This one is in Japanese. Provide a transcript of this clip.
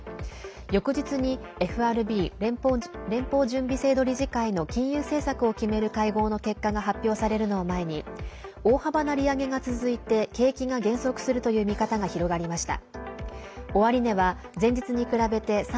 翌日にＦＲＢ＝連邦準備制度理事会の金融政策を決める会合の結果が発表されるのを前に大幅な利上げが続いて景気が減速するという見方が広がりました。